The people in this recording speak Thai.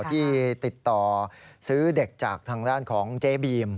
ที่ติดต่อซื้อเด็กจากทางด้านของเจ๊บีม